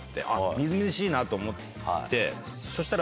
みずみずしいなと思ってそしたら。